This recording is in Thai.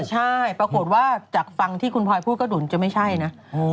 ใช่ปรากฏว่าจากฟังที่คุณพลอยพูดก็ดุลจะไม่ใช่นะ